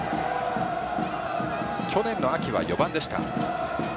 去年の秋は４番でした。